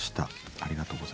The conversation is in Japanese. ありがとうございます。